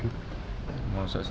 enggak usah sih